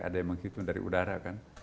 ada yang menghitung dari udara kan